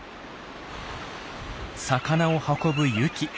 魚を運ぶユキ。